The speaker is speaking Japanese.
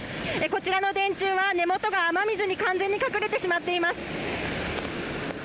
こちらの電柱は根元が雨水に完全に隠れてしまっています。